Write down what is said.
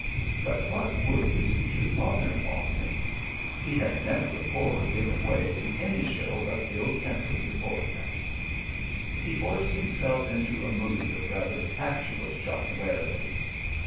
But what would his future father in law think? He had never before given way to any show of ill temper before him. He forced himself into a mood of rather fatuous jocularity.